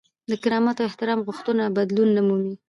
د کرامت او احترام غوښتنه بدلون نه مومي.